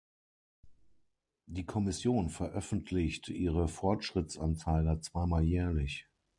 Die Kommission veröffentlicht ihre Fortschrittsanzeiger zweimal jährlich.